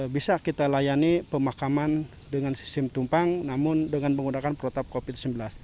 bisa kita layani pemakaman dengan sistem tumpang namun dengan menggunakan protap covid sembilan belas